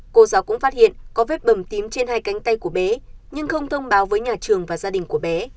cô giáo cũng phát hiện có vết bầm tím trên hai cánh tay của bé nhưng không thông báo với nhà trường và gia đình của bé